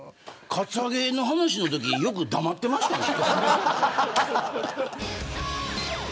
カツアゲの話のときよく黙ってましたよね。